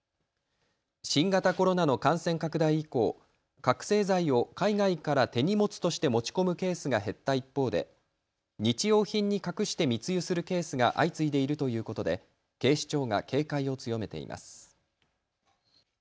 新型コロナの感染拡大以降、覚醒剤を海外から手荷物として持ち込むケースが減った一方で日用品に隠して密輸するケースが相次いでいるということで警視庁が警戒を強めています。